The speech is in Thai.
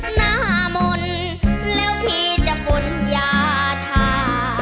หน้ามนต์แล้วพี่จะบ่นยาทา